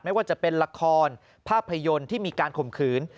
ไม่ว่าจะเป็นละครภาพยนตร์ที่มีการข่มขืน